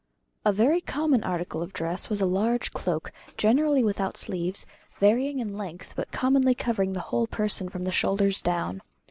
A very common article of dress was a large cloak, generally without sleeves, varying in length, but commonly covering the whole person from the shoulders down.